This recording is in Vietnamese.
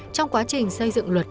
trong quá trình xây dựng luật